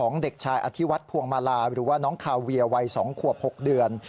เด็กชายอธิวัฒนภวงมาลาหรือว่าน้องคาเวียวัย๒ขวบ๖เดือน